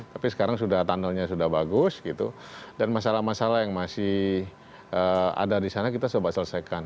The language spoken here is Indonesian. tapi sekarang sudah tunnelnya sudah bagus gitu dan masalah masalah yang masih ada di sana kita coba selesaikan